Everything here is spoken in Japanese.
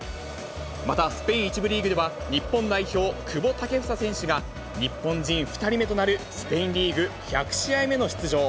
また、スペイン１部リーグでは、日本代表、久保建英選手が日本人２人目となるスペインリーグ１００試合目の出場。